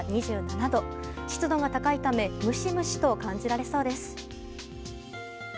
湿度が高いためムシムシと感じられそうです。